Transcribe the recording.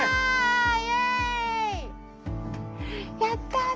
やった！